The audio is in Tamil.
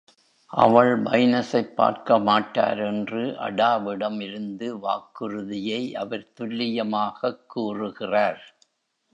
அவள் பைனஸைப் பார்க்க மாட்டார் என்று அடாவிடம் இருந்து வாக்குறுதியை அவர் துல்லியமாகக் கூறுகிறார்.